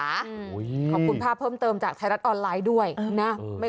ขอบคุณภาพเพิ่มเติมจากไทยรัฐออนไลน์ด้วยนะ